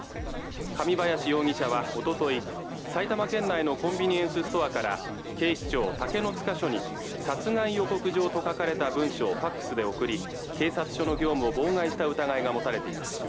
神林容疑者はおととい埼玉県内のコンビニエンスストアから警視庁竹の塚署に殺害予告状と書かれた文書をＦＡＸで送り警察署の業務を妨害した疑いが持たれています